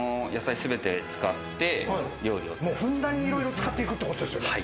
ふんだんにいろいろ使っていくってことですね。